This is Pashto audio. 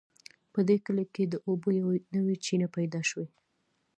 په دې کلي کې د اوبو یوه نوې چینه پیدا شوې